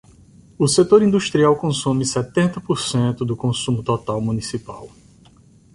O setor industrial consome setenta por cento do consumo total municipal.